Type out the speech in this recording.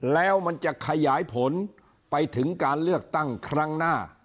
แล้วมันจะขยายผลไปถึงการเลือกตั้งครั้งหน้า